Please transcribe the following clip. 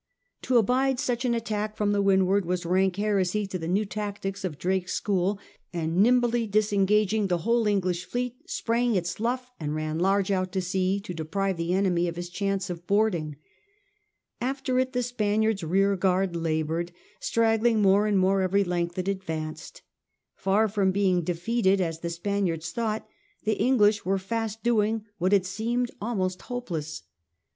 To abide such an attack from the vrindward was rank heresy to the new tactics of Drake's school, and nimbly disengaging, the whole English fleet sprang its luff and ran large out to sea, to deprive the enemy of his chance of boarding. After it the Spaniards' rear guard laboured, straggling more and more every length it advanced. Far from being defeated, as the Spaniards thought, the English were fast doing what had seemed XI ACTION OFF PORTLAND 157 almost hopeless.